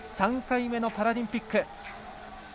３回目のパラリンピック。